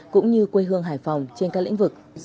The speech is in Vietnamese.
cũng như quê hương hải phòng trên các lĩnh vực